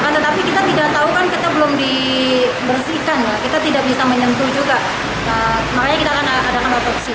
tetapi kita tidak tahu kan kita belum dibersihkan kita tidak bisa menyentuh juga